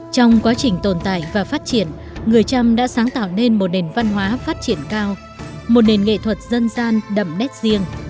trong quá trình tồn tại và phát triển người trăm đã sáng tạo nên một nền văn hóa phát triển cao một nền nghệ thuật dân gian đậm nét riêng